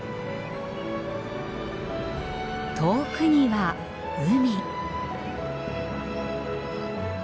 遠くには海。